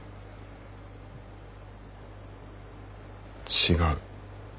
違う。